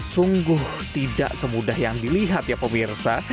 sungguh tidak semudah yang dilihat ya pemirsa